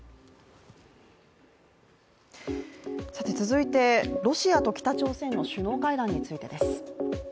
続いて、ロシアと北朝鮮の首脳会談についてです。